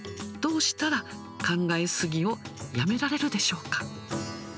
どうしたら考え過ぎをやめられるでしょうか。